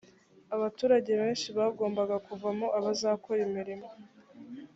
abaturage benshi bagombaga kuvamo abazakora imirimo .